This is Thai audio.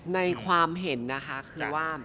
ในความเห็นนะคะคือว่า